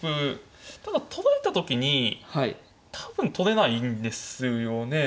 ただ取られた時に多分取れないんですよね。